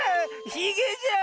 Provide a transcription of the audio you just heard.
ひげじゃ！